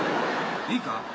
いいか？